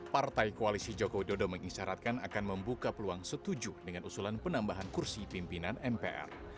partai koalisi joko widodo mengisyaratkan akan membuka peluang setuju dengan usulan penambahan kursi pimpinan mpr